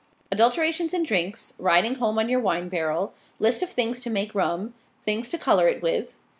ADULTERATIONS IN DRINKS. RIDING HOME ON YOUR WINE BARREL. LIST OF THINGS TO MAKE RUM. THINGS TO COLOR IT WITH.